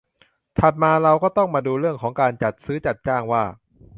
ถัดมาเราก็ต้องมาดูเรื่องของการจัดซื้อจัดจ้างว่า